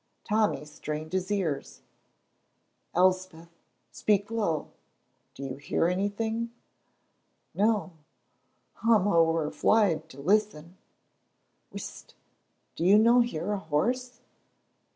Tommy strained his ears. "Elspeth speak low do you hear anything?" "No; I'm ower fleid to listen." "Whisht! do you no hear a horse?"